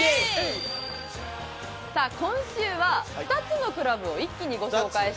さあ今週は２つのクラブを一気にご紹介したいと思います。